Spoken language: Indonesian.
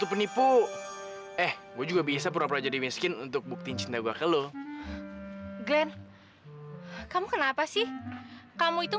pom pom boleh ya aku ngidip di rumah kamu